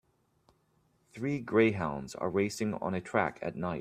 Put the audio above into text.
Three greyhounds are racing on a track at night.